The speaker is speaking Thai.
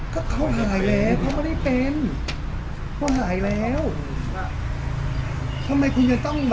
ก็คือไม่ไหว